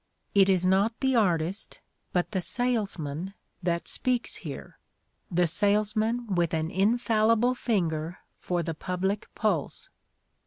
It is not the artist but the salesman that speaks here, the sales man with an infallible finger for the public pulse.